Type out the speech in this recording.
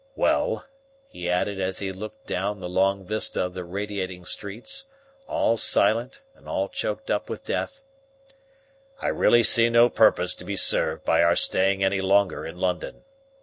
"Well," he added as he looked down the long vista of the radiating streets, all silent and all choked up with death, "I really see no purpose to be served by our staying any longer in London.